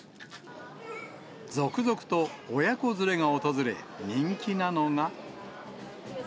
続々と親子連れが訪れ、人気なのが。